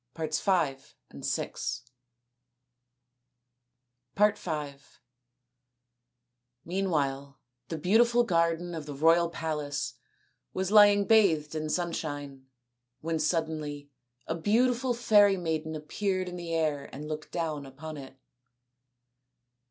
2 4 o THE INDIAN STORY BOOK Meanwhile the beautiful garden of the royal palace was lying bathed in sunshine, when suddenly a beautiful fairy maiden appeared in the air and looked down upon it.